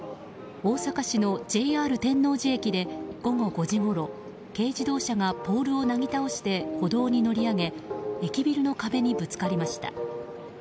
大阪市のＪＲ天王寺駅で午後５時ごろ軽自動車がポールをなぎ倒して歩道に乗り上げ駅ビルの壁にぶつかりました。